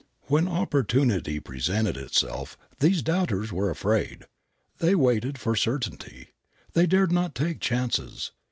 When opportunity presented itself these doubters were afraid. They waited for certainty. They dared not take chances.